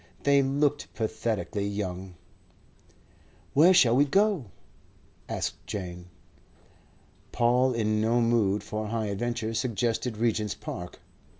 They looked pathetically young. "Where shall we go?" asked Jane. Paul, in no mood for high adventure, suggested Regent's Park.